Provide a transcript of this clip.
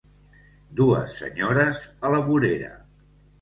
Dues senyores a la vorera.